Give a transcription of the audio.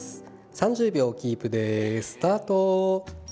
３０秒キープです、スタート。